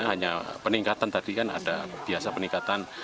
hanya peningkatan tadi kan ada biasa peningkatan